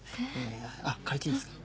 あっ借りていいですか？